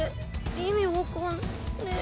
意味分かんねぇ。